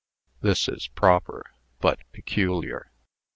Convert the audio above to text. This is proper, but peculiar.